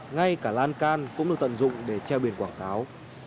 ngay cả lan can cũng được tận dụng để treo biển quảng cáo